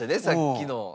さっきの。